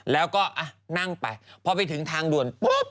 แล้วก็นั่งไปพอไปถึงทางด่วนปุ๊บ